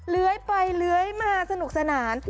เลื้อยไปเลื้อยมาสนุกสนาน